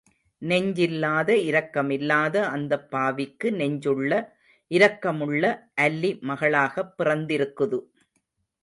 நெஞ்சில்லாத இரக்கமில்லாத அந்தப் பாவிக்கு நெஞ்சுள்ள, இரக்கமுள்ள அல்லி மகளாகப் பிறந்திருக்குது.